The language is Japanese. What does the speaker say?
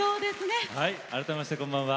改めましてこんばんは。